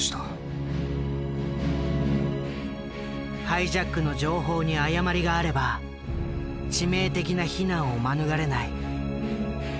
ハイジャックの情報に誤りがあれば致命的な非難を免れない。